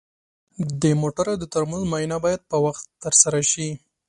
د موټرو د ترمز معاینه باید په وخت ترسره شي.